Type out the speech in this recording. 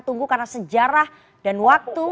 tumbuh karena sejarah dan waktu